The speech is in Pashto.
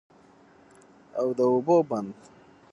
او د اوبو بند